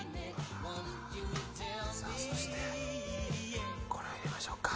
さあ、そしてこれを入れましょうか。